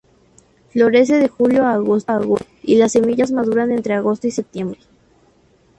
Florece de julio a agosto, y las semillas maduran entre agosto y septiembre.